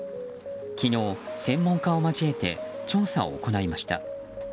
昨日、専門家を交えて調査を行いました。